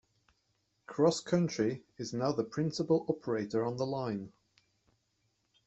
CrossCountry is now the principal operator on the line.